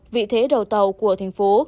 vị thế đầu tàu của thành phố